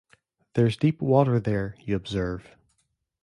There's deep water there, you observe.